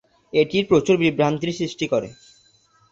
এটি প্রচুর বিভ্রান্তি সৃষ্টি করে।